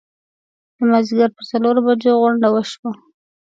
د مازیګر پر څلورو بجو غونډه وشوه.